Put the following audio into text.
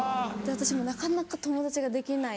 私もなかなか友達ができないので。